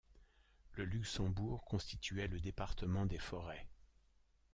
Le Luxembourg constituait le département des Forêts.